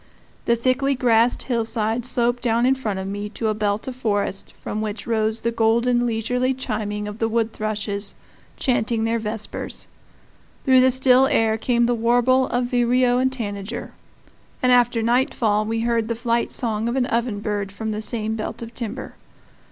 The thickly grassed hillside sloped down in front of me to a belt of forest from which rose the golden, leisurely chiming of the wood thrushes, chanting their vespers; through the still air came the warble of vireo and tanager; and after nightfall we heard the flight song of an ovenbird from the same belt of timber.